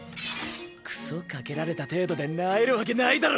糞掛けられた程度で萎えるわけないだろ！